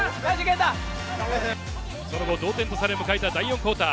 その後、同点とされ迎えた第４クオーター。